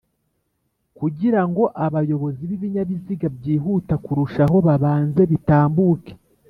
Kugirango abayobozi bibinyabiziga byihuta kurushaho babanze bitambuke